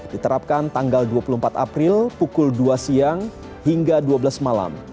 diterapkan tanggal dua puluh empat april pukul dua siang hingga dua belas malam